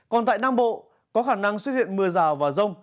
còn tại nam bộ có khả năng xuất hiện mưa rào và rông